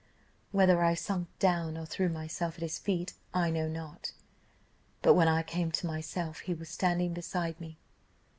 "Whether I sunk down, or threw myself at his feet, I know not; but when I came to myself he was standing beside me.